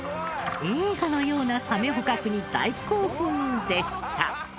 映画のようなサメ捕獲に大興奮でした。